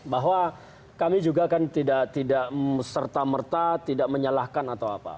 bahwa kami juga kan tidak serta merta tidak menyalahkan atau apa